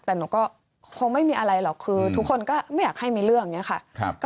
แต่หนูก็คงไม่มีอะไรหรอกคือทุกคนก็ไม่อยากให้มีเรื่องนี้ค่ะ